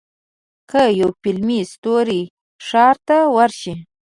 که یو فلمي ستوری ښار ته ورشي.